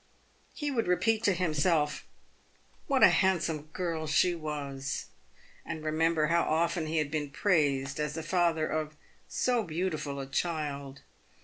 He would repeat to himself, " What a handsome girl she was 1" and remember how often he had been praised as the father of so beau tiful a child.